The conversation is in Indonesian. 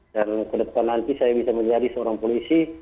dan kedepan nanti saya bisa menjadi seorang polisi